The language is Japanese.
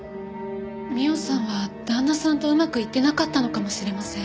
美緒さんは旦那さんとうまくいってなかったのかもしれません。